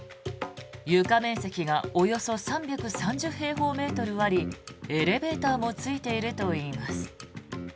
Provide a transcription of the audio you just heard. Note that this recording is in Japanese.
床面積がおよそ３３０平方メートルありエレベーターもついているといいます。